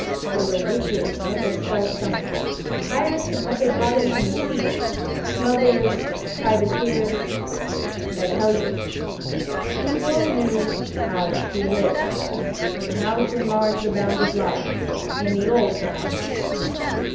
There were witches and what their spells summoned; pirates and what they brought in from the sea; smugglers; privateersŌĆöand I tell you, people knew how to live, and how to enlarge the bounds of life, in the old times!